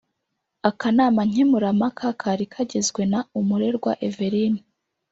Akanama nkemurampaka kari kagizwe na Umurerwa Evelyne